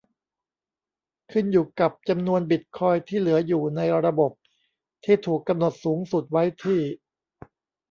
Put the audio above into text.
ขึ้นอยู่กับจำนวนบิตคอยน์ที่เหลืออยู่ในระบบที่ถูกกำหนดสูงสุดไว้ที่